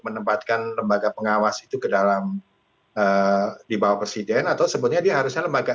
menempatkan lembaga pengawas itu ke dalam di bawah presiden atau sebutnya diharusnya lembaga